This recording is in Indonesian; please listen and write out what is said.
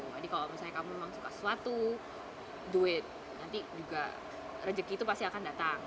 jadi kalau misalnya kamu memang suka suatu hal kamu bisa melakukan sesuatu yang lain dan itu adalah hal yang sangat penting untukmu